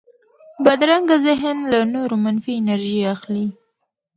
بدرنګه ذهن له نورو منفي انرژي اخلي